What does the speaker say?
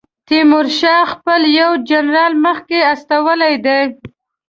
تیمورشاه خپل یو جنرال مخکې استولی دی.